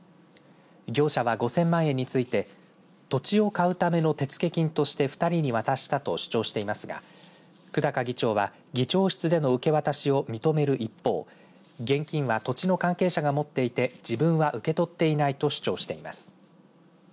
業者は５０００万円について土地を買うための手付金として２人に渡したと主張していますが久高議長は議長室での受け渡しを認める一方現金は土地の関係者が持っていて自分は受け取っていないと主張しています。